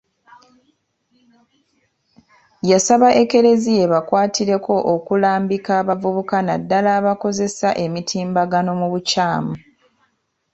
Yasaba Ekereziya ebakwatireko okulambika abavubuka naddala abakozesa emitimbagano mu bukyamu.